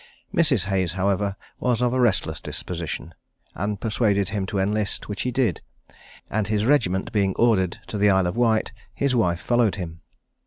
Mrs. Hayes, however, was of a restless disposition, and persuaded him to enlist, which he did; and his regiment being ordered to the Isle of Wight, his wife followed him.